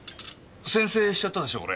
宣誓しちゃったでしょ俺。